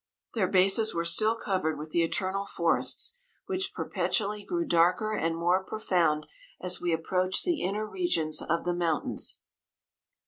Their bases were still covered with the eternal forests, which perpetually grew darker and more pro found as we approached the inner re gions of the mountains.